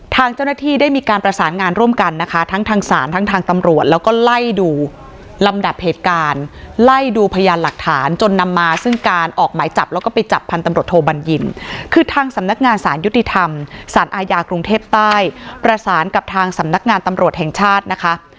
ทางเจ้าหน้าที่ได้มีการประสานงานร่วมกันนะคะทั้งทางศาลทั้งทางตำรวจแล้วก็ไล่ดูลำดับเหตุการณ์ไล่ดูพยานหลักฐานจนนำมาซึ่งการออกหมายจับแล้วก็ไปจับพันตำรวจโทบัญญินคือทางสำนักงานสารยุติธรรมสารอาญากรุงเทพใต้ประสานกับทางสำนักงานตำรวจแห่งชาตินะคะ